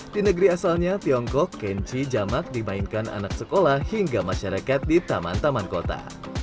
di negeri asalnya tiongkok kenji jamak dimainkan anak sekolah hingga masyarakat di taman taman kota